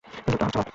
দ্রুত হাত চালাও!